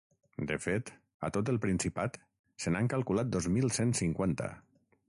De fet, a tot el Principat, se n’han calculat dos mil cent cinquanta.